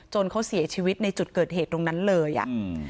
เขาเสียชีวิตในจุดเกิดเหตุตรงนั้นเลยอ่ะอืม